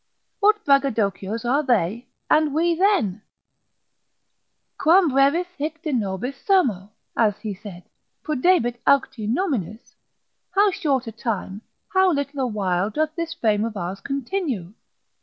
What braggadocios are they and we then? quam brevis hic de nobis sermo, as he said, pudebit aucti nominis, how short a time, how little a while doth this fame of ours continue?